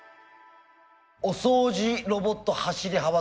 「お掃除ロボット走り幅跳び」